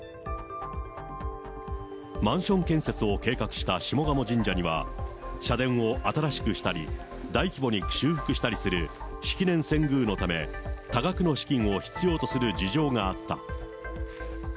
マンション建設を計画した下鴨神社には、社殿を新しくしたり、大規模に修復したりする、式年遷宮のため、多額の資金を必要とする事情があった。